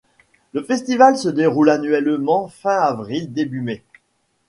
Le festival se déroule annuellement fin avril-début mai.